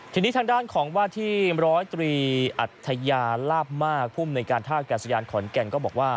ทีนี้ทางด้านของว่าที่ร้อยตรีอัธยาลาบมากภูมิในการท่ากาศยานขอนแก่นก็บอกว่า